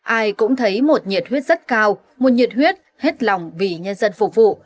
ai cũng thấy một nhiệt huyết rất cao một nhiệt huyết hết lòng vì nhân dân phục vụ